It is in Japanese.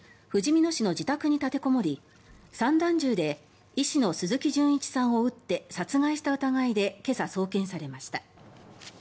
ふじみ野市の自宅に立てこもり散弾銃で医師の鈴木純一さんを撃って殺害した疑いで今朝、送検されました。